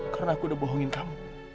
karena aku sudah bohongin kamu